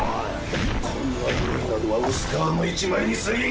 こんな鎧などは薄皮の一枚にすぎん。